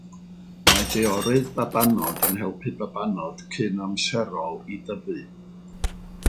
Mae deorydd babanod yn helpu babanod cynamserol i dyfu.